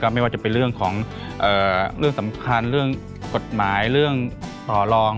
ไม่ว่าจะเป็นเรื่องของเรื่องสำคัญเรื่องกฎหมายเรื่องต่อรอง